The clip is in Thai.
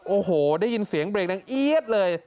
โอ้โหได้ยินเสียงเบรกดังเอี๊ยดเลย